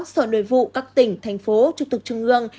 sở nội vụ các tỉnh thành phố trục tực trung ương